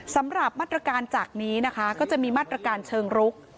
สำหรับมาตรการจากนี้นะคะก็จะมีมาตรการเชิงรุก